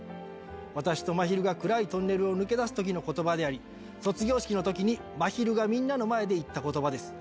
私とまひるが暗いトンネルを抜け出すときのことばであり、卒業式のときにまひるがみんなの前で言ったことばです。